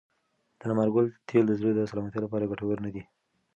د لمر ګل تېل د زړه د سلامتیا لپاره ګټور نه دي.